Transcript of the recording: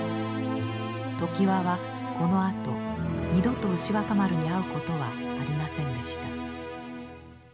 常磐はこのあと二度と牛若丸に会うことはありませんでした。